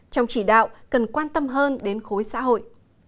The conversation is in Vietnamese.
trong chỉ đạo cần quan tâm hơn đến khối xã hội